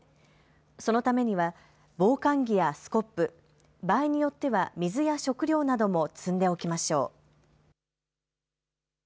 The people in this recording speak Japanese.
そのためには防寒着やスコップ、場合によっては水や食料なども積んでおきましょう。